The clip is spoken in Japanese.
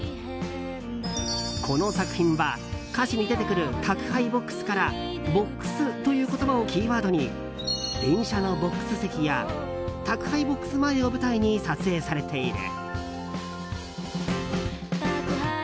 この作品は、歌詞に出てくる「宅配ボックス」から「ボックス」という言葉をキーワードに電車のボックス席や宅配ボックス前を舞台に撮影されている。